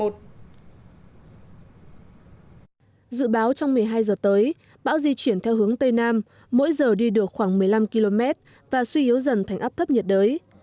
dự báo trong một mươi hai giờ tới bão di chuyển theo hướng tây nam mỗi giờ đi được khoảng một mươi năm km và suy yếu dần thành áp thấp nhiệt đới